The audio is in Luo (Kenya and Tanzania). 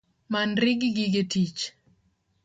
Manri gi gige tich